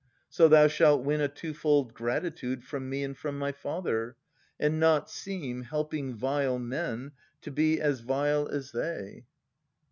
So thou shalt win a twofold gratitude From me and from my father, and not seem. Helping vile men, to be as vile as they.